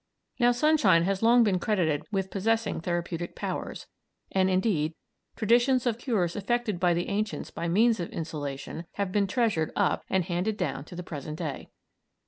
Now sunshine has long been credited with possessing therapeutic powers, and, indeed, traditions of cures effected by the ancients by means of insolation have been treasured up and handed down to the present day.